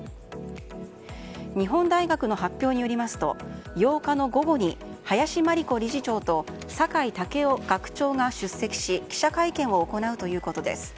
日本大学の発表によりますと８日の午後に林真理子理事長と酒井健夫学長が出席し、記者会見を行うということです。